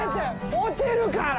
落ちるから！